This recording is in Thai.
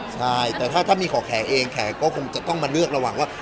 ใช่แต่ถ้ามีขอแขกเองแขกก็คงจะต้องมาเลือกระหว่างว่า